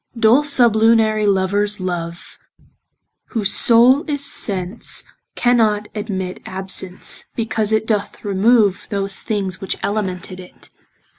Dull sublunary lovers love (Whose soule is sense) cannot admit Absence, because it doth remove Those things which elemented it.